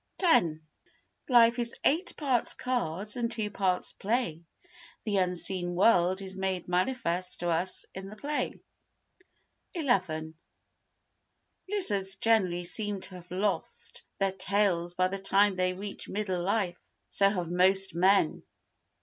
x Life is eight parts cards and two parts play, the unseen world is made manifest to us in the play. xi Lizards generally seem to have lost their tails by the time they reach middle life. So have most men.